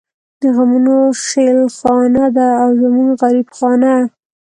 د غمونو خېلخانه ده او زمونږ غريب خانه